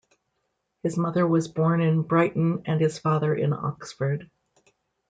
His mother was born in Brighton and his father in Oxford.